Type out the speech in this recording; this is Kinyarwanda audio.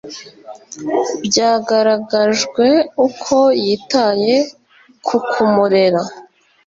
byaragaragajwe uko yitaye ku kumurera